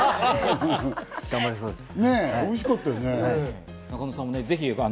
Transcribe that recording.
頑張れそうです。